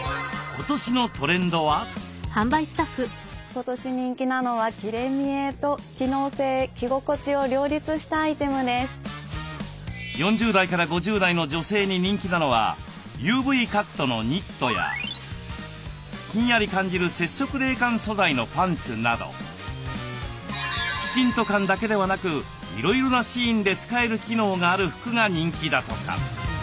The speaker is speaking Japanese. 今年人気なのは４０代から５０代の女性に人気なのはＵＶカットのニットやひんやり感じる接触冷感素材のパンツなどきちんと感だけではなくいろいろなシーンで使える機能がある服が人気だとか。